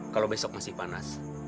kalau besok masih panas